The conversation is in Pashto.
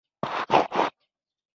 مرکزونو د پرانيستلو غوښتنه وکړه